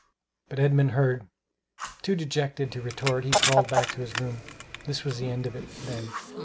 But Edmund heard. Too dejected to retort, he crawled back to his room. This was the end of it, then.